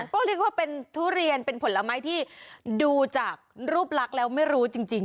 ก็เรียกว่าเป็นทุเรียนเป็นผลไม้ที่ดูจากรูปลักษณ์แล้วไม่รู้จริง